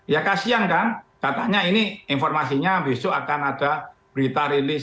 ya kasian kan katanya ini informasinya besok akan ada berita rilis